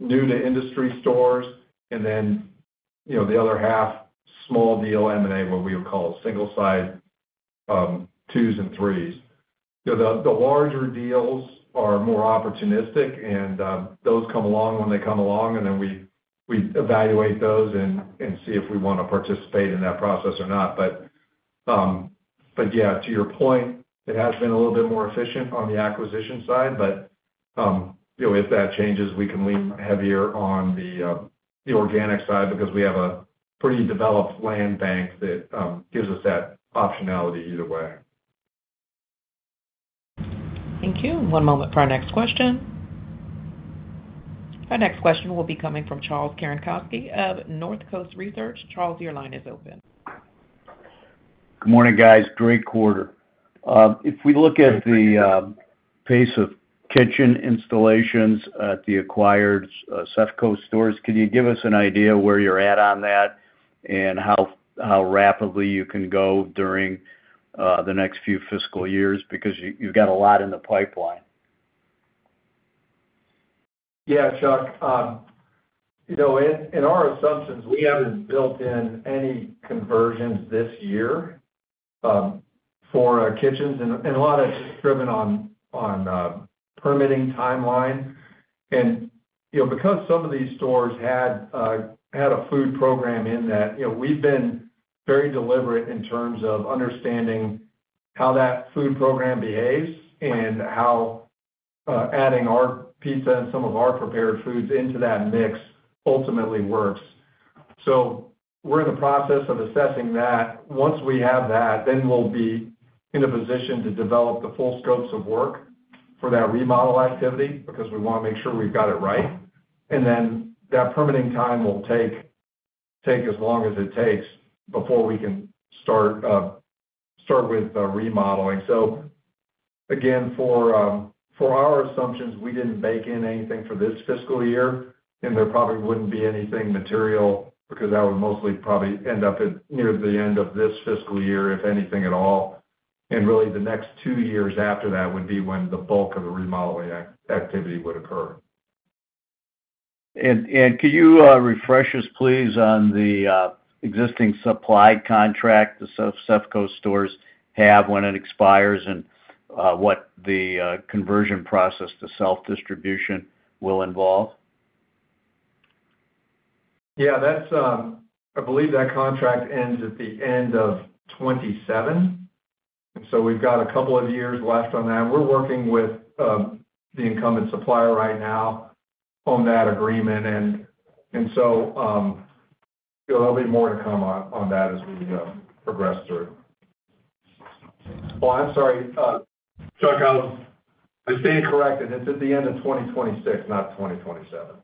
new-to-industry stores and then the other half small deal M&A, what we would call single-site 2s and 3s. The larger deals are more opportunistic, and those come along when they come along. We evaluate those and see if we want to participate in that process or not. Yeah, to your point, it has been a little bit more efficient on the acquisition side. If that changes, we can lean heavier on the organic side because we have a pretty developed land bank that gives us that optionality either way. Thank you. One moment for our next question. Our next question will be coming from Charles Cerankosky of Northcoast Research. Charles, your line is open. Good morning, guys. Great quarter. If we look at the pace of kitchen installations at the acquired CEFCO stores, can you give us an idea where you're at on that and how rapidly you can go during the next few fiscal years because you've got a lot in the pipeline? Yeah, Chuck. In our assumptions, we have not built in any conversions this year for our kitchens. A lot of it is driven on permitting timeline. Because some of these stores had a food program in that, we have been very deliberate in terms of understanding how that food program behaves and how adding our pizza and some of our prepared foods into that mix ultimately works. We are in the process of assessing that. Once we have that, we will be in a position to develop the full scopes of work for that remodel activity because we want to make sure we have got it right. That permitting time will take as long as it takes before we can start with remodeling. For our assumptions, we did not bake in anything for this fiscal year, and there probably would not be anything material because that would mostly probably end up near the end of this fiscal year, if anything at all. Really, the next two years after that would be when the bulk of the remodeling activity would occur. Could you refresh us, please, on the existing supply contract the CEFCO stores have, when it expires, and what the conversion process to self-distribution will involve? Yeah. I believe that contract ends at the end of 2027. And so we've got a couple of years left on that. We're working with the incumbent supplier right now on that agreement. There'll be more to come on that as we progress through. I'm sorry. Chuck, I was being corrected. It's at the end of 2026, not 2027.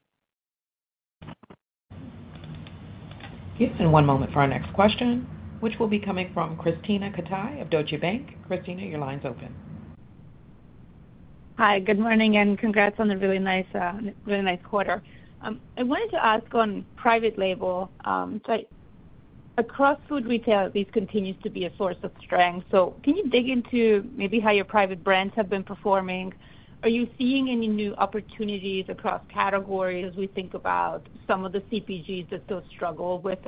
Give us one moment for our next question, which will be coming from Krisztina Katai of Deutsche Bank. Krisztina, your line's open. Hi. Good morning and congrats on a really nice quarter. I wanted to ask on private label. Across food retail, at least, continues to be a source of strength. Can you dig into maybe how your private brands have been performing? Are you seeing any new opportunities across categories as we think about some of the CPGs that still struggle with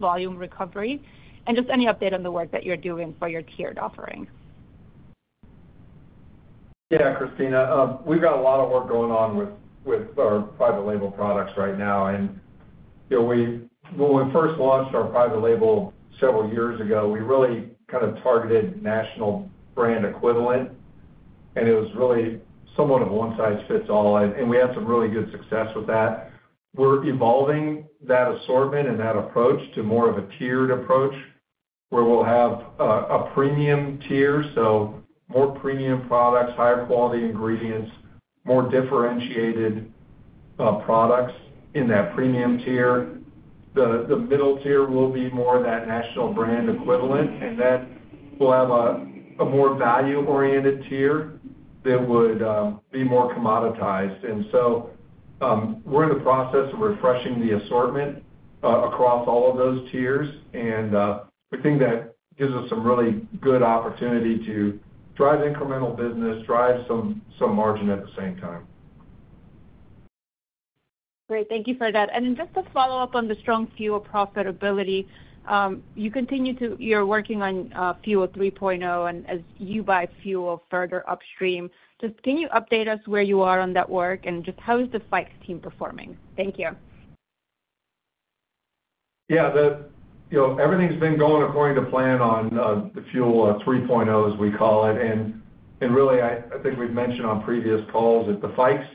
volume recovery? Just any update on the work that you're doing for your tiered offering? Yeah, Christina. We've got a lot of work going on with our private label products right now. When we first launched our private label several years ago, we really kind of targeted national brand equivalent. It was really somewhat of one-size-fits-all. We had some really good success with that. We're evolving that assortment and that approach to more of a tiered approach where we'll have a premium tier. More premium products, higher quality ingredients, more differentiated products in that premium tier. The middle tier will be more of that national brand equivalent. Then we'll have a more value-oriented tier that would be more commoditized. We're in the process of refreshing the assortment across all of those tiers. We think that gives us some really good opportunity to drive incremental business, drive some margin at the same time. Great. Thank you for that. Just to follow up on the strong fuel profitability, you continue to you're working on fuel 3.0 and as you buy fuel further upstream. Just can you update us where you are on that work and just how is the Fikes team performing? Thank you. Yeah. Everything's been going according to plan on the fuel 3.0, as we call it. I think we've mentioned on previous calls that the Fikes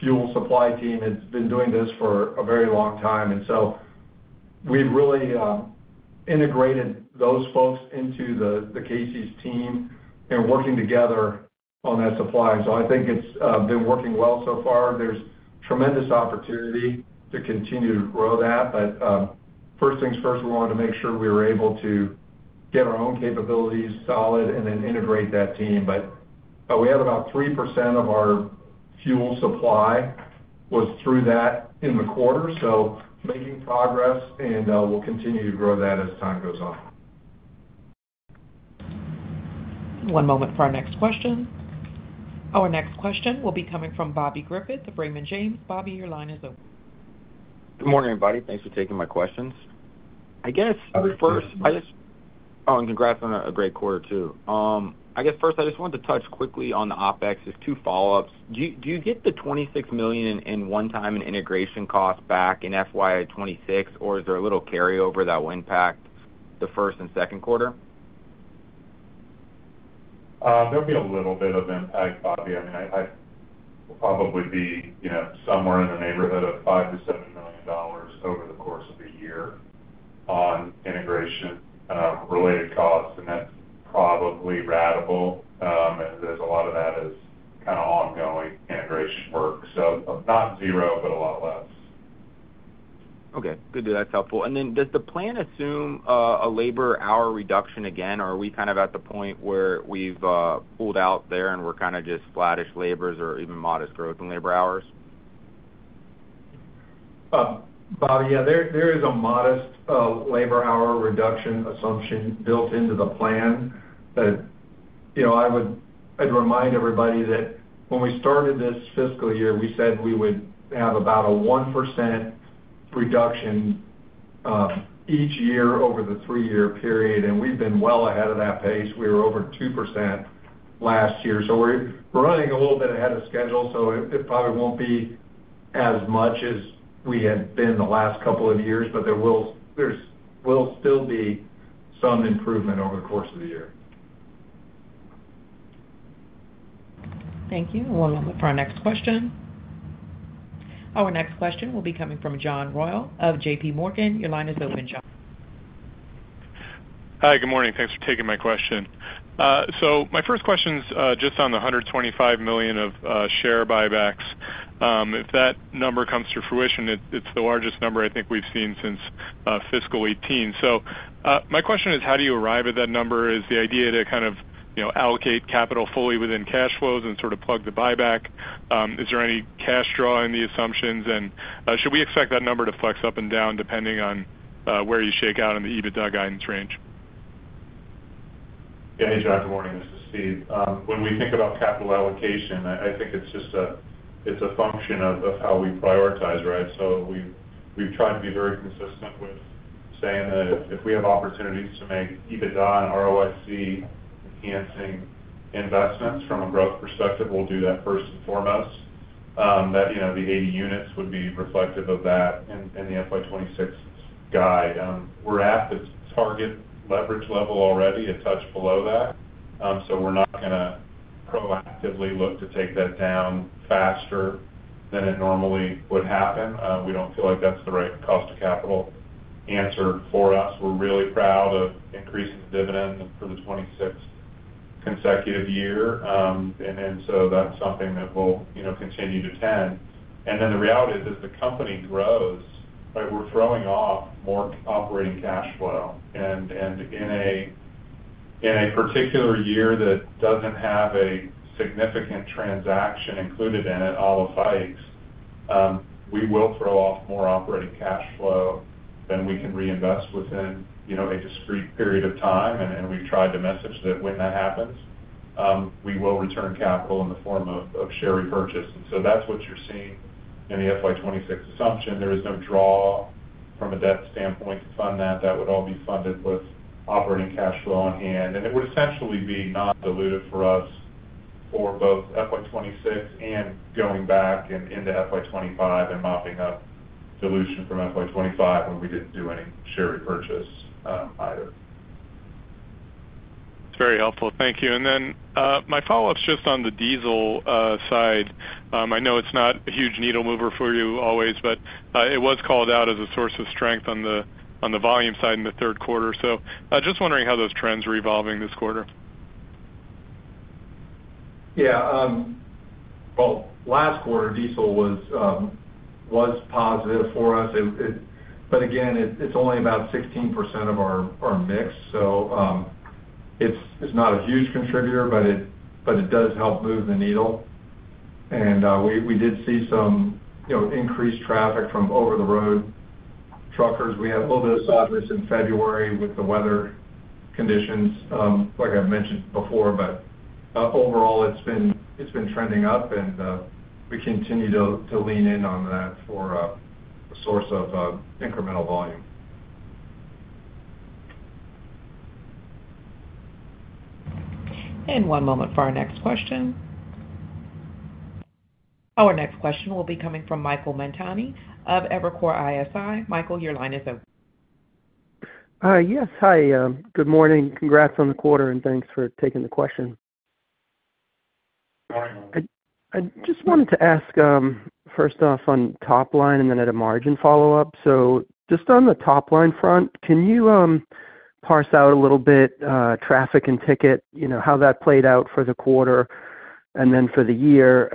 fuel supply team has been doing this for a very long time. We've really integrated those folks into the Casey's team and working together on that supply. I think it's been working well so far. There's tremendous opportunity to continue to grow that. First things first, we wanted to make sure we were able to get our own capabilities solid and then integrate that team. We had about 3% of our fuel supply was through that in the quarter. Making progress, and we'll continue to grow that as time goes on. One moment for our next question. Our next question will be coming from Bobby Griffin of Raymond James. Bobby, your line is open. Good morning, everybody. Thanks for taking my questions. I guess first. Oh, and congrats on a great quarter too. I guess first, I just wanted to touch quickly on the OpEx. Just two follow-ups. Do you get the $26 million in one-time in integration costs back in fiscal year 2026, or is there a little carryover that will impact the first and second quarter? There'll be a little bit of impact, Bobby. I mean, it'll probably be somewhere in the neighborhood of $5 million-$7 million over the course of a year on integration-related costs. That's probably ratable. There's a lot of that as kind of ongoing integration work. Not zero, but a lot less. Okay. Good to hear. That's helpful. Does the plan assume a labor hour reduction again? Or are we kind of at the point where we've pulled out there and we're kind of just flattish laborers or even modest growth in labor hours? Bobby, yeah, there is a modest labor hour reduction assumption built into the plan. I would remind everybody that when we started this fiscal year, we said we would have about a 1% reduction each year over the three-year period. We've been well ahead of that pace. We were over 2% last year. We're running a little bit ahead of schedule. It probably won't be as much as we had been the last couple of years, but there will still be some improvement over the course of the year. Thank you. One moment for our next question. Our next question will be coming from John Royall of JPMorgan. Your line is open, John. Hi. Good morning. Thanks for taking my question. My first question is just on the $125 million of share buybacks. If that number comes to fruition, it is the largest number I think we have seen since fiscal 2018. My question is, how do you arrive at that number? Is the idea to kind of allocate capital fully within cash flows and sort of plug the buyback? Is there any cash draw in the assumptions? Should we expect that number to flex up and down depending on where you shake out in the EBITDA guidance range? Yeah. Hey, John. Good morning. This is Steve. When we think about capital allocation, I think it's just a function of how we prioritize, right? We've tried to be very consistent with saying that if we have opportunities to make EBITDA and ROIC enhancing investments from a growth perspective, we'll do that first and foremost. The 80 units would be reflective of that in the FY 2026 guide. We're at the target leverage level already, a touch below that. We're not going to proactively look to take that down faster than it normally would happen. We don't feel like that's the right cost of capital answer for us. We're really proud of increasing the dividend for the 26th consecutive year. That's something that we'll continue to tend. The reality is, as the company grows, right, we're throwing off more operating cash flow. In a particular year that does not have a significant transaction included in it, all of Fikes, we will throw off more operating cash flow than we can reinvest within a discrete period of time. We have tried to message that when that happens, we will return capital in the form of share repurchase. That is what you are seeing in the FY 2026 assumption. There is no draw from a debt standpoint to fund that. That would all be funded with operating cash flow on hand. It would essentially be non-dilutive for us for both FY 2026 and going back into FY 2025 and mopping up dilution from FY 2025 when we did not do any share repurchase either. That's very helpful. Thank you. My follow-up's just on the diesel side. I know it's not a huge needle-mover for you always, but it was called out as a source of strength on the volume side in the third quarter. Just wondering how those trends are evolving this quarter. Yeah. Last quarter, diesel was positive for us. Again, it's only about 16% of our mix. It's not a huge contributor, but it does help move the needle. We did see some increased traffic from over-the-road truckers. We had a little bit of softness in February with the weather conditions, like I've mentioned before. Overall, it's been trending up. We continue to lean in on that for a source of incremental volume. One moment for our next question. Our next question will be coming from Michael Montani of Evercore ISI. Michael, your line is open. Yes. Hi. Good morning. Congrats on the quarter. Thanks for taking the question. Morning. I just wanted to ask, first off, on top line and then at a margin follow-up. Just on the top line front, can you parse out a little bit traffic and ticket, how that played out for the quarter and then for the year?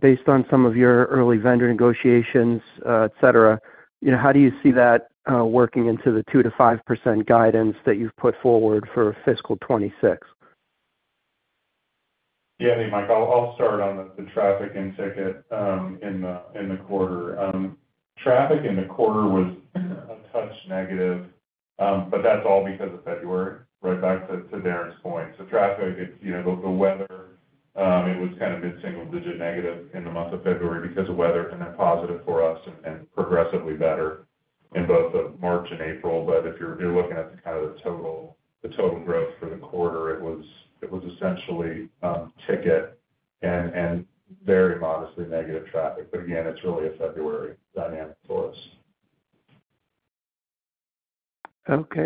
Based on some of your early vendor negotiations, etc., how do you see that working into the 2-5% guidance that you've put forward for fiscal 2026? Yeah. Hey, Michael. I'll start on the traffic and ticket in the quarter. Traffic in the quarter was a touch negative, but that's all because of February, right back to Darren's point. So traffic, the weather, it was kind of mid-single digit negative in the month of February because of weather and then positive for us and progressively better in both March and April. If you're looking at kind of the total growth for the quarter, it was essentially ticket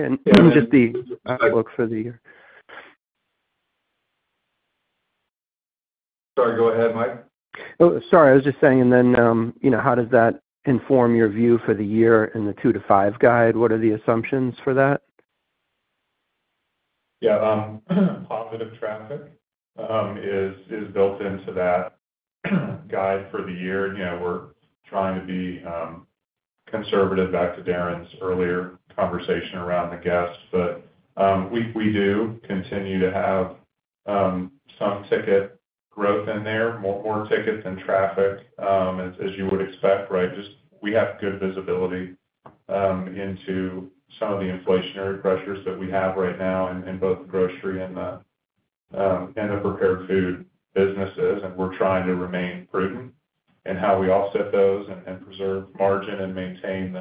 and very modestly negative traffic. Again, it's really a February dynamic for us. Okay. Just the outlook for the year. Sorry. Go ahead, Mike. Oh, sorry. I was just saying, and then how does that inform your view for the year in the 2-5 guide? What are the assumptions for that? Yeah. Positive traffic is built into that guide for the year. We're trying to be conservative back to Darren's earlier conversation around the guests. We do continue to have some ticket growth in there, more tickets and traffic, as you would expect, right? We have good visibility into some of the inflationary pressures that we have right now in both grocery and the prepared food businesses. We're trying to remain prudent in how we offset those and preserve margin and maintain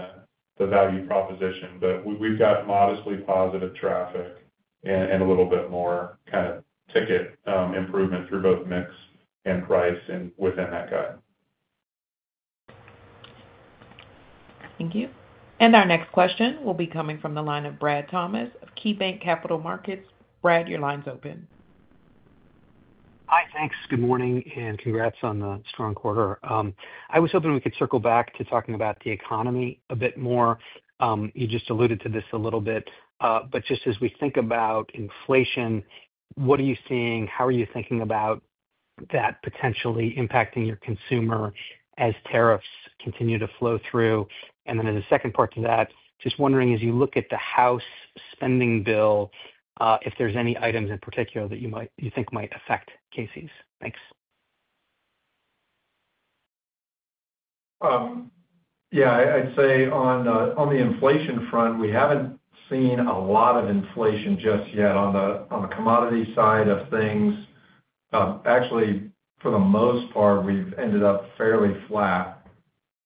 the value proposition. We've got modestly positive traffic and a little bit more kind of ticket improvement through both mix and price within that guide. Thank you. Our next question will be coming from the line of Brad Thomas of KeyBanc Capital Markets. Brad, your line's open. Hi. Thanks. Good morning. And congrats on the strong quarter. I was hoping we could circle back to talking about the economy a bit more. You just alluded to this a little bit. But just as we think about inflation, what are you seeing? How are you thinking about that potentially impacting your consumer as tariffs continue to flow through? And then as a second part to that, just wondering, as you look at the House spending bill, if there's any items in particular that you think might affect Casey's? Thanks. Yeah. I'd say on the inflation front, we haven't seen a lot of inflation just yet on the commodity side of things. Actually, for the most part, we've ended up fairly flat.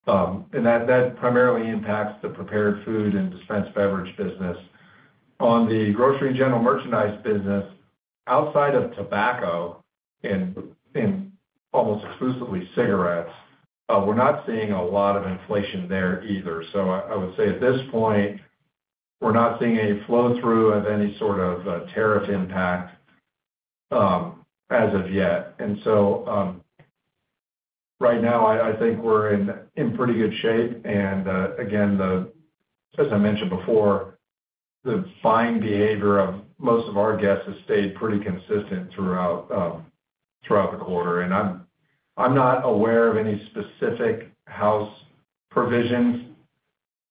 That primarily impacts the prepared food and dispensed beverage business. On the grocery general merchandise business, outside of tobacco and almost exclusively cigarettes, we're not seeing a lot of inflation there either. I would say at this point, we're not seeing any flow-through of any sort of tariff impact as of yet. Right now, I think we're in pretty good shape. Again, as I mentioned before, the buying behavior of most of our guests has stayed pretty consistent throughout the quarter. I'm not aware of any specific House provisions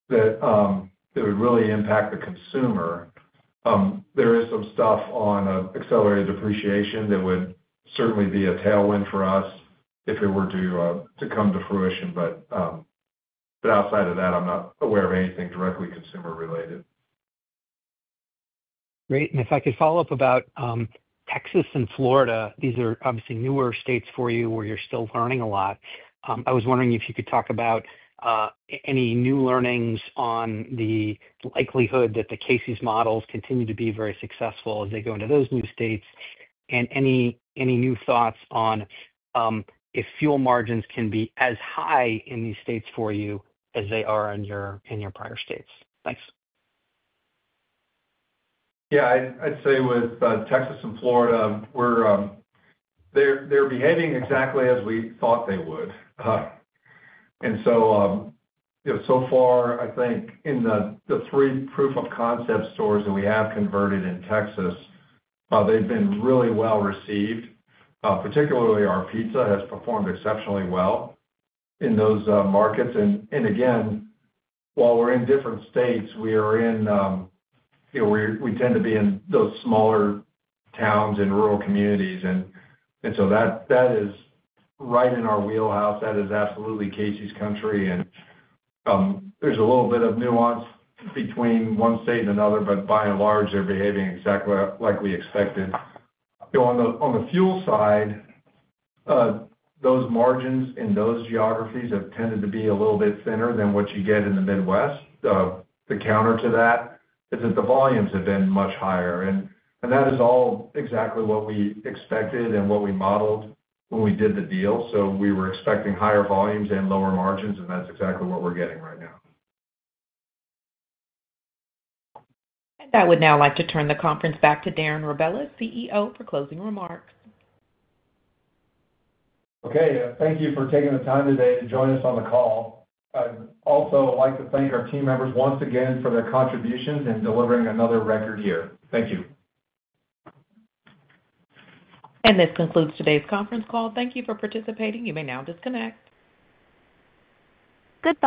that would really impact the consumer. There is some stuff on accelerated depreciation that would certainly be a tailwind for us if it were to come to fruition. Outside of that, I'm not aware of anything directly consumer-related. Great. If I could follow up about Texas and Florida, these are obviously newer states for you where you're still learning a lot. I was wondering if you could talk about any new learnings on the likelihood that the Casey's models continue to be very successful as they go into those new states and any new thoughts on if fuel margins can be as high in these states for you as they are in your prior states. Thanks. Yeah. I'd say with Texas and Florida, they're behaving exactly as we thought they would. So far, I think in the three proof-of-concept stores that we have converted in Texas, they've been really well received. Particularly, our pizza has performed exceptionally well in those markets. While we're in different states, we tend to be in those smaller towns and rural communities. That is right in our wheelhouse. That is absolutely Casey's country. There's a little bit of nuance between one state and another, but by and large, they're behaving exactly like we expected. On the fuel side, those margins in those geographies have tended to be a little bit thinner than what you get in the Midwest. The counter to that is that the volumes have been much higher. That is all exactly what we expected and what we modeled when we did the deal. We were expecting higher volumes and lower margins. That is exactly what we are getting right now. I would now like to turn the conference back to Darren Rebelez, CEO, for closing remarks. Okay. Thank you for taking the time today to join us on the call. I'd also like to thank our team members once again for their contributions in delivering another record year. Thank you. This concludes today's conference call. Thank you for participating. You may now disconnect. Good.